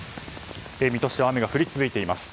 水戸市は雨が降り続いています。